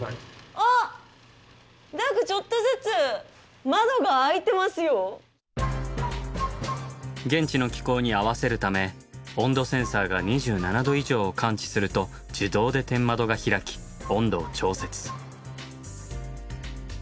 あっ何かちょっとずつ現地の気候に合わせるため温度センサーが２７度以上を感知すると自動で天窓が開き温度を調節。